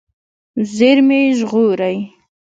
زیرمې ژغورئ.